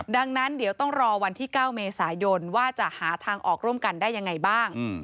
ดังนั้นเดี๋ยวต้องรอวันที่๙เมษายนว่าจะหาทางออกร่วมกันได้ยังไงบ้าง